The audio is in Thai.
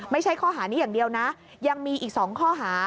ไม่ใช่ข้อหานี้อย่างเดียวนะยังมีอีก๒ข้อหา